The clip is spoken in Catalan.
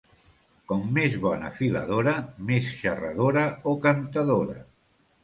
Com més bona filadora, més xerradora o cantadora.